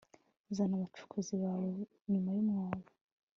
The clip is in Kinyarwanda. zana abacukuzi bawe nyuma yumwobo